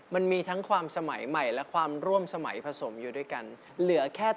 มันมีทั้งความสมัยใหม่และ